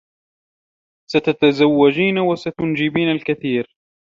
ستتزوّجين و ستنجبين الكثير.